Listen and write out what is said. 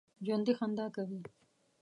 ژوندي خندا کوي